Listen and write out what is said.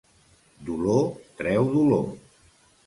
Dolor treu dolor.